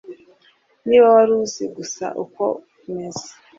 Niba wari uzi gusa uko meze.